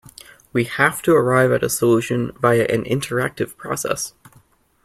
We have to arrive at a solution via an interactive process.